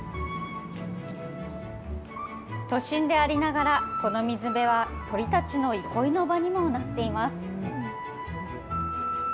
都心でありながら、この水辺は鳥たちの憩いの場にもなっています。